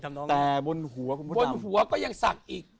แต่บนหัวก็ยังสักอีก